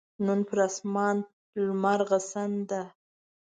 نن پر اسمان لمرغسن ده